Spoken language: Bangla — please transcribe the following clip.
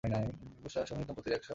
বুশরা-সুমিত দম্পতির ‘একশো নালিশ’